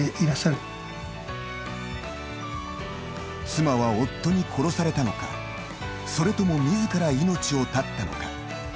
妻は夫に殺されたのかそれとも自ら命を絶ったのか。